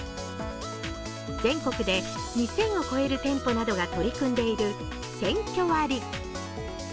全国で２０００を超える店舗などが取り組んでいるセンキョ割。